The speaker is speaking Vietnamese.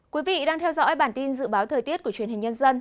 quý vị đang theo dõi bản tin dự báo thời tiết của truyền hình nhân dân